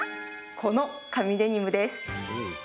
この、神デニムです！